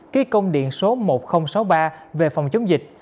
ký công điện số một nghìn sáu mươi ba về phòng chống dịch